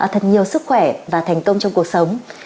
thật nhiều sức khỏe và thành công trong cuộc sống